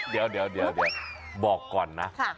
เดี๋ยวเดี๋ยวบอกก่อนนะค่ะ